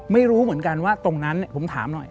ไม่รู้เหมือนกันว่าตรงนั้นผมถามหน่อย